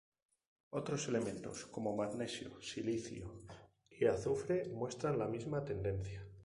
Otros elementos como magnesio, silicio y azufre muestran la misma tendencia.